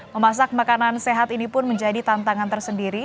memasak makanan sehat ini pun menjadi tantangan tersendiri